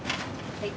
はい。